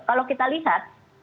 kalau kita lihat